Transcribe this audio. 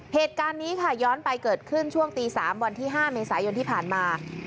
เหตุการณ์นี้ค่ะย้อนไปเกิดขึ้นช่วงตี๓วันที่๕เมษายนที่ผ่านมา